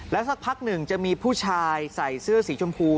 สักพักหนึ่งจะมีผู้ชายใส่เสื้อสีชมพู